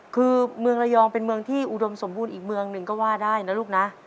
คือเมืองระยองเป็นเมืองที่อุดมสมบูรณ์อีกเมืองหนึ่งก็ว่าได้นะลูกนะ